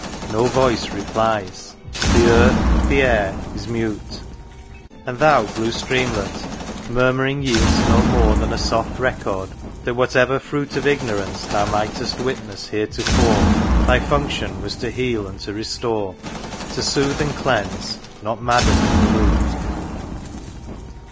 No voice replies ;— the earth, the air is mute ; And Thou, blue Streamlet, murmuring yield'st no more Than a soft record that whatever fruit Of ignorance thou might'st witness heretofore, Thy function was to heal and to restore. To soothe and cleanse, not madden and pollute